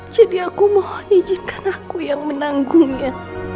jadi aku mohon izinkan aku yang menanggungnya